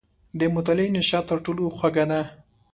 • د مطالعې نیشه تر ټولو خوږه ده.